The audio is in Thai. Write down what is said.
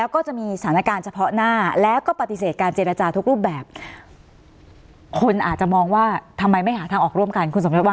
คุณสมเฯษฐ์บ้างไงคะเอ่อ